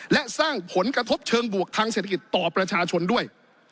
และสร้างผลกระทบเชิงบวกทางเศรษฐกิจต่อประชาชนด้วย